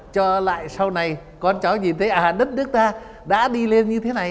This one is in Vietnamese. cho lại sau này con chó nhìn thấy đất nước ta đã đi lên như thế này